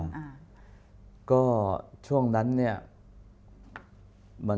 อเรนนี่แหละอเรนนี่แหละ